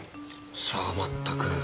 さあまったく。